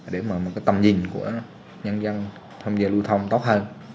để mà tầm nhìn của nhân dân tham gia lưu thông tốt hơn